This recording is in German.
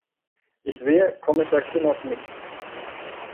Ich sehe, Kommissar Kinnock nickt.